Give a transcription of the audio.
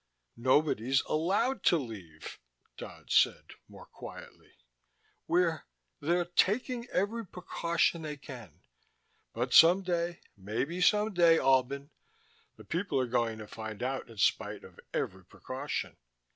"Nobody's allowed to leave," Dodd said, more quietly. "We're they're taking every precaution they can. But some day maybe some day, Albin the people are going to find out in spite of every precaution."